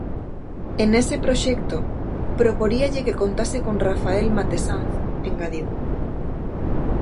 E nese proxecto "proporíalle que contase con Rafael Matesanz", engadiu.